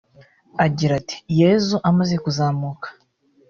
Agira ati “Yezu amaze kuzamuka